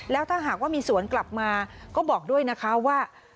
แล้วถ้าหากว่ามีสวนกลับมาก็บอกด้วยนะคะว่า